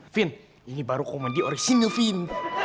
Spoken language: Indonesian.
vin ini baru komedi orisinnya vin